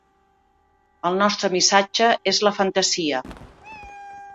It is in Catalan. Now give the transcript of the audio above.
El nostre missatge és la fantasia.